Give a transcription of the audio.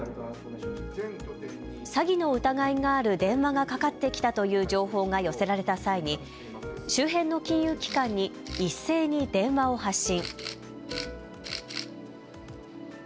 詐欺の疑いがある電話がかかってきたという情報が寄せられた際に周辺の金融機関に一斉に電話を発信。